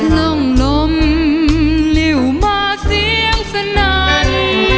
ล่องลมเลี่ยวมาเสียงสนาน